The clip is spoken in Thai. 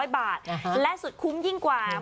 ๐บาทและสุดคุ้มยิ่งกว่า